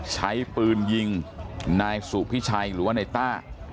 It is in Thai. ใช้ปืนยิงนายสู่พี่ชัยหรือว่าในต้า